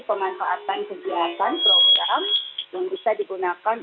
pemanfaatan kegiatan program yang bisa digunakan